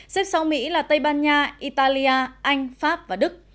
xếp sau mỹ là tây ban nha italia anh pháp và đức